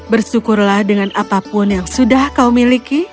bersyukurlah dengan apapun yang sudah kau miliki